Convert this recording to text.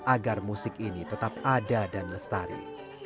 agar musik ini tetap ada dan lestari